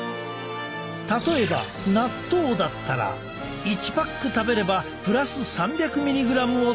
例えば納豆だったら１パック食べればプラス３００ｍｇを達成！